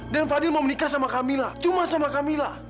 dan fadl mau menikah sama kamila cuma sama kamila